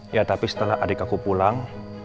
ya tapi setelah adik aku pulang